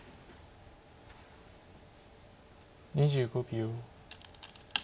２５秒。